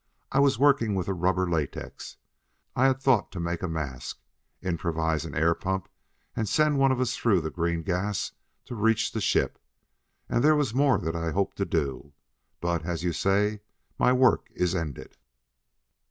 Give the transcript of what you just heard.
"I was working with a rubber latex. I had thought to make a mask, improvise an air pump and send one of us through the green gas to reach the ship. And there was more that I hoped to do; but, as you say, my work is ended."